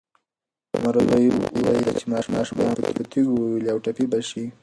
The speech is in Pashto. مرغۍ وېرېده چې ماشومان به یې په تیږو وولي او ټپي به شي.